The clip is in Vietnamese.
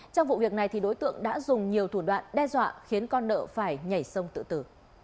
trong vụ việc này đối tượng đã dùng nhiều thủ đoạn đe dọa khiến con nợ phải nhảy sông tự tử